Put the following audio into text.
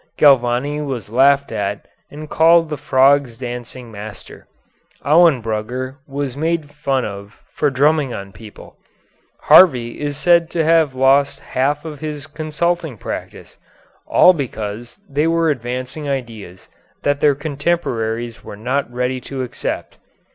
Galvani was laughed at and called the frogs' dancing master; Auenbrugger was made fun of for drumming on people; Harvey is said to have lost half of his consulting practice; all because they were advancing ideas that their contemporaries were not ready to accept.